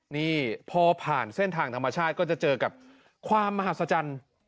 นี่พอผ่านเส้นทางธรรมชาติก็จะเจอกับความมหาศจรรย์